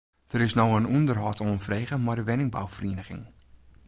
Der is no in ûnderhâld oanfrege mei de wenningbouferieniging.